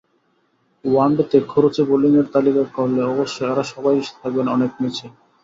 ওয়ানডেতে খরুচে বোলিংয়ের তালিকা করলে অবশ্য এঁরা সবাই থাকবেন অনেক নিচে।